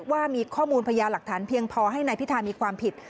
ว่ามีข้อมูลพยาหลักฐานเพียงพอให้นายพิธามีความผิด